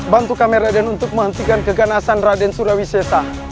bantu kami raden untuk menghentikan keganasan raden surawi sesa